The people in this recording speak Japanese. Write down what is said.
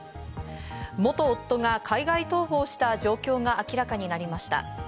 元夫が海外逃亡した状況が明らかになりました。